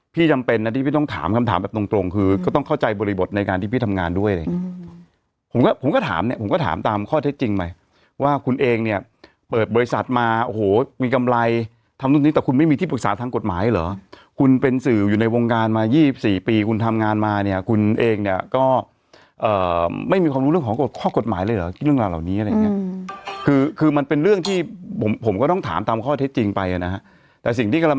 ผมก็ถามเนี่ยผมก็ถามตามข้อเท็จจริงไปว่าคุณเองเนี่ยเปิดบริษัทมาโหมีกำไรทำตรงนี้แต่คุณไม่มีที่ปรึกษาทางกฎหมายเหรอคุณเป็นสื่ออยู่ในวงการมา๒๔ปีคุณทำงานมาเนี่ยคุณเองเนี่ยก็ไม่มีความรู้เรื่องของข้อกฎหมายเลยเหรอเรื่องราวนี้อะไรอย่างนี้คือมันเป็นเรื่องที่ผมก็ต้องถามตามข้อเท็จจริงไปนะแต่สิ่งที่ก